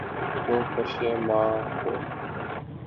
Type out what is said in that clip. کو پشیماں ہوں